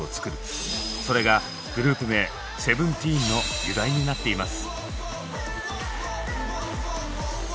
それがグループ名「ＳＥＶＥＮＴＥＥＮ」の由来になっています。